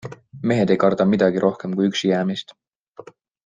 Mehed ei karda midagi rohkem kui üksijäämist.